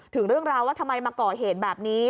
ถึงเรื่องราวว่าทำไมมาก่อเหตุแบบนี้